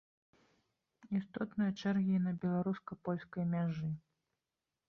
Істотныя чэргі і на беларуска-польскай мяжы.